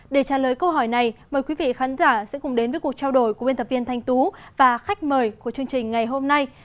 để trả lời câu hỏi này mời quý vị khán giả sẽ cùng đến với cuộc trao đổi của biên tập viên thanh tú và khách mời của chương trình ngày hôm nay